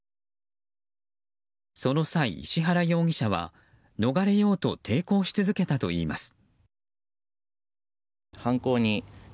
その際、石原容疑者は逃れようと抵抗し続けたといいます。